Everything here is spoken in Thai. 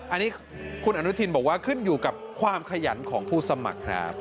อันนี้คุณอนุทินบอกว่าขึ้นอยู่กับความขยันของผู้สมัครครับ